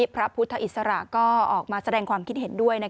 พระพุทธอิสระก็ออกมาแสดงความคิดเห็นด้วย